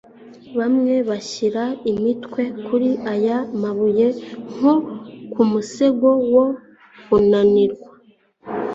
bamwe bashyira imitwe kuri aya mabuye nko ku musego wo kunanirwa